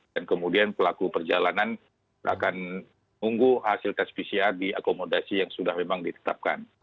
dan kemudian pelaku perjalanan akan tunggu hasil test pcr di akomodasi yang sudah memang ditetapkan